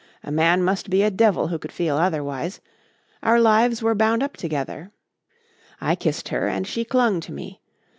A man must be a devil who could feel otherwise.... Our lives were bound up together.... I kissed her and she clung to me.